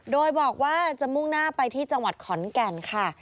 โดยบอกว่าจะมุ่งหน้าไปที่จังหวัดขอนแก่นค่ะ